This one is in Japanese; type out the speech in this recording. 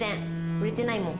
売れてないもん。